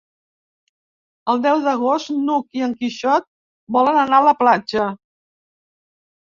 El deu d'agost n'Hug i en Quixot volen anar a la platja.